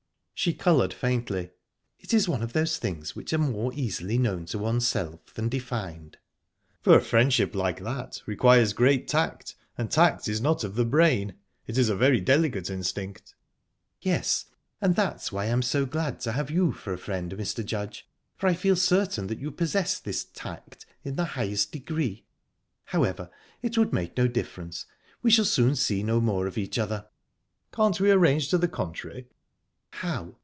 She coloured faintly. "It is one of those things which are more easily known to oneself than defined." "For a friendship like that requires great tact, and tact is not of the brain. It is very delicate instinct." "Yes. And that's why I am so glad to have you for a friend Mr. Judge for I feel certain that you possess this..._tact,_ in the highest degree...However, it would make no difference. We shall soon see no more of each other." "Can't we arrange to the contrary?" "How?